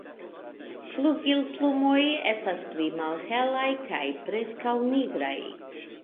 Flugilplumoj estas pli malhelaj kaj preskaŭ nigraj.